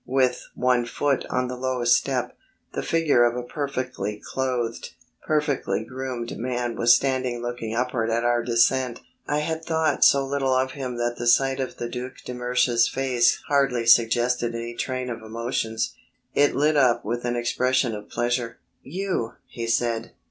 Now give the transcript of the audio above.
With one foot on the lowest step, the figure of a perfectly clothed, perfectly groomed man was standing looking upward at our descent. I had thought so little of him that the sight of the Duc de Mersch's face hardly suggested any train of emotions. It lit up with an expression of pleasure. "You," he said.